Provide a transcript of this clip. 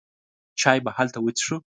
چای به هلته وڅښو.